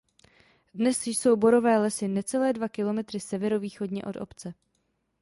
Dnes jsou borové lesy necelé dva kilometry severovýchodně od obce.